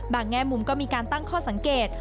แง่มุมก็มีการตั้งข้อสังเกต